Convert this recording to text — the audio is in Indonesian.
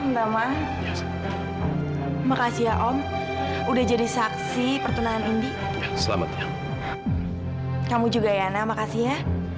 pertama makasih ya om udah jadi saksi pertunangan indi selamat kamu juga ya nah makasih ya